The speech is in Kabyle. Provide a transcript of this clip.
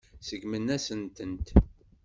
Seggment-asen-tent.